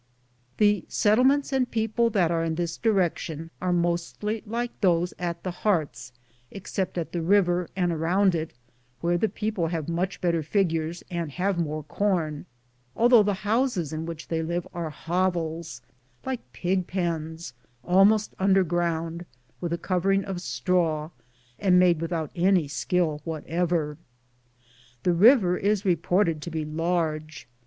The settlements and people that are in this direction are mostly like those at the Hearts, except at the river and around it, where the people have much better figures and have more corn, although the houses in which they live are hovels, like pig pens, almost under ground, with a covering of straw, and made without any skill whatever. This river is reported to be large.